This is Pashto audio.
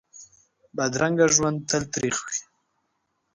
بدرنګه ژوند تل تریخ وي